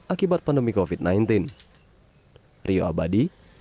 akibat pandemi covid sembilan belas